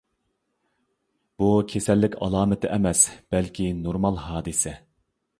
بۇ كېسەللىك ئالامىتى ئەمەس، بەلكى نورمال ھادىسە.